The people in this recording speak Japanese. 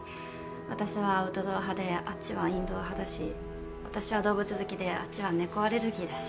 私はアウトドア派であっちはインドア派だし私は動物好きであっちは猫アレルギーだし。